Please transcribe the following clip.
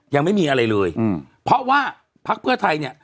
ยังไม่มีอะไรเลยอืมเพราะว่าพักเพื่อไทยเนี่ย